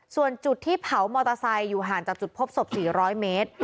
ส่วนจุดที่เผามอเตอร์ไซค์อยู่ห่างจากจุดพบศพ๔๐๐เมตร